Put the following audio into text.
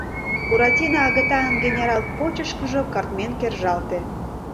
Буратино агытанын генерал почышкыжо кыртмен кержалте.